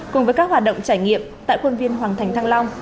cùng với các hoạt động trải nghiệm tại quân viên hoàng thành thăng long